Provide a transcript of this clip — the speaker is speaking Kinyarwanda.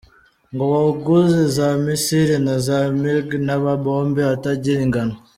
Ngo waguze za missile na za mig n’amabombe atagira ingano!?